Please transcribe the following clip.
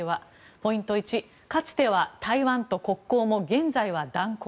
ポイント１かつては台湾と国交も現在は断交。